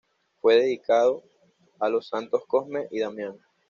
Fue dedicado a los santos Cosme y Damián.